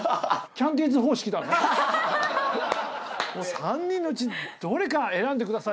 ３人のうちどれか選んでください。